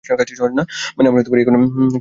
মানে, আমরা এখন কেউই তেমন শব্দ শুনছি না, তাই না?